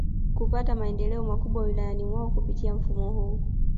Kupata maendeleo makubwa Wilayani mwao kupitia mfumo huu